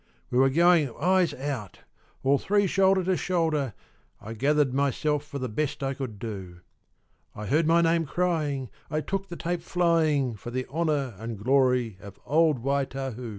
We were going "eyes out," all three shoulder to shoulder, I gathered myself for the best I could do I heard my name crying, I took the tape flying For the honour and glory of old Waitahu!